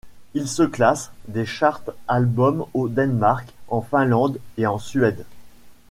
Il se classe des charts album au Danemark, en Finlande et en Suède.